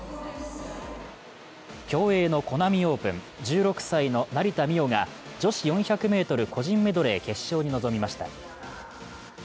競泳のコナミオープン、１６歳の成田実生が女子４００ｍ個人メドレー決勝に臨みました。